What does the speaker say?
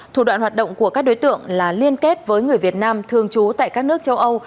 thủ đoạn hoạt động của các đối tượng là liên kết với người việt nam thường trú tại các nước châu âu